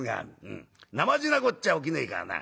なまじなこっちゃ起きねえからな。